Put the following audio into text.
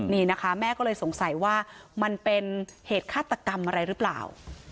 นี่นะคะแม่ก็เลยสงสัยว่ามันเป็นเหตุฆาตกรรมอะไรหรือเปล่า